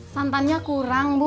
santannya kurang bu